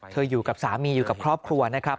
อยู่กับสามีอยู่กับครอบครัวนะครับ